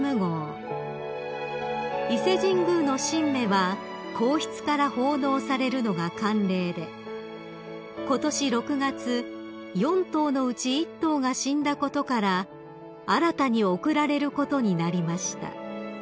［伊勢神宮の神馬は皇室から奉納されるのが慣例でことし６月４頭のうち１頭が死んだことから新たに贈られることになりました］